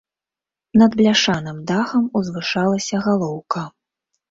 Над бляшаным дахам узвышалася галоўка.